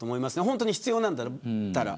本当に必要なら。